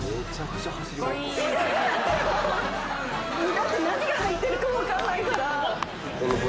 だって何が入ってるか分かんないから。